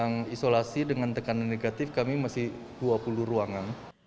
yang isolasi dengan tekanan negatif kami masih dua puluh ruangan